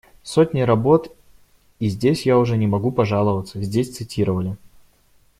Сотни работ, и здесь я уже не могу пожаловаться, здесь цитировали.